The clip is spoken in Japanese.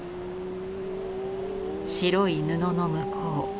白い布の向こう